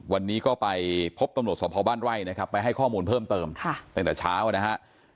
วันนี้ก็ไปพบตำรวจสภบ้านไร่นะครับไปให้ข้อมูลเพิ่มเติมตั้งแต่เช้านะฮะ